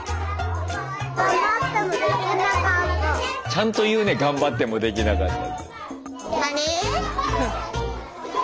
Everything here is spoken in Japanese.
ちゃんと言うね「頑張ってもできなかった」。